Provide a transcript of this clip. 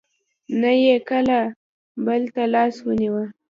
نه یې کله بل ته لاس ونېوه.